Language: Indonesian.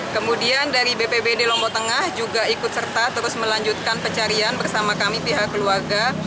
kemudian dari bpbd lombok tengah juga ikut serta terus melanjutkan pencarian bersama kami pihak keluarga